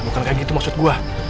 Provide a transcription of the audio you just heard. bukan kayak gitu maksud gue